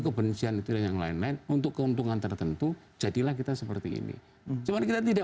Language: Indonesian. kebencian itu dan yang lain lain untuk keuntungan tertentu jadilah kita seperti ini cuman kita tidak